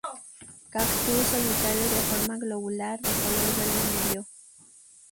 Cactus solitario de forma globular de color verde medio.